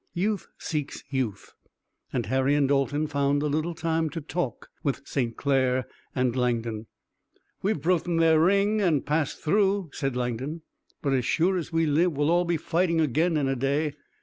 Youth seeks youth and Harry and Dalton found a little time to talk with St. Clair and Langdon. "We've broken their ring and passed through," said Langdon, "but as sure as we live we'll all be fighting again in a day.